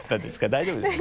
大丈夫ですか？